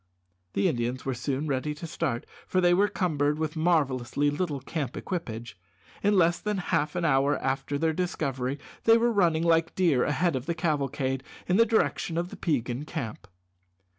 The Indians were soon ready to start, for they were cumbered with marvellously little camp equipage. In less than half an hour after their discovery they were running like deer ahead of the cavalcade in the direction of the Peigan camp.